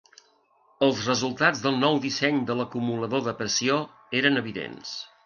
Els resultats del nou disseny de l'acumulador de pressió eren evidents.